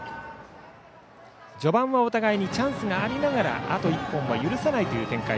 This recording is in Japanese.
序盤はお互いにチャンスはありながらあと１本は許さないという展開。